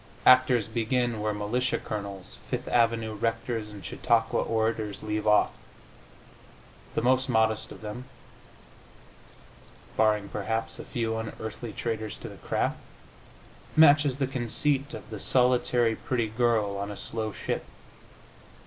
Actors begin where militia colonels, Fifth avenue rectors and Chautauqua orators leave off. The most modest of them (barring, perhaps, a few unearthly traitors to the craft) matches the conceit of the solitary pretty girl on a slow ship.